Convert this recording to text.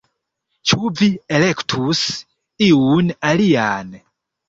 Ĉu vi elektus iun alian